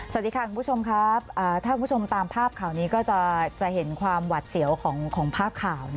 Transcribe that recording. สวัสดีค่ะคุณผู้ชมครับถ้าคุณผู้ชมตามภาพข่าวนี้ก็จะเห็นความหวัดเสียวของภาพข่าว